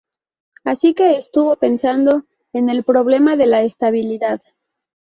Así que estuvo pensando en el problema de la estabilidad.